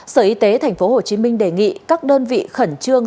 sở y tế tp hcm đề nghị các đơn vị khẩn trương